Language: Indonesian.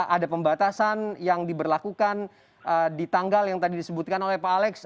ada pembatasan yang diberlakukan di tanggal yang tadi disebutkan oleh pak alex